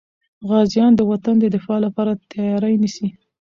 غازیان د وطن د دفاع لپاره تیاري نیسي.